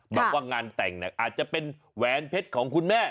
บอกว่างานแต่งอาจจะเป็นแหวนเพชรของคุณแม่